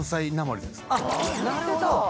なるほど！